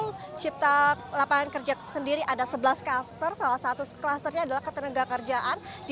di tahun cipta lapangan kerja sendiri ada sebelas klaster salah satu klasternya adalah ketenaga kerjaan